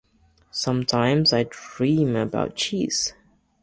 Sometimes, I dream about cheese.